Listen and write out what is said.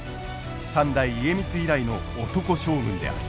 三代家光以来の男将軍である。